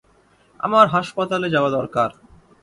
আমার হাসপাতালে যাওয়া দরকার।